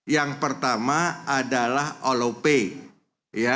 yang pertama adalah allo pay